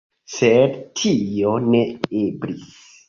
Sed tio ne eblis.